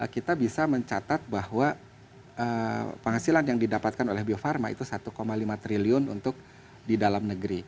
kita bisa mencatat bahwa penghasilan yang didapatkan oleh bio farma itu satu lima triliun untuk di dalam negeri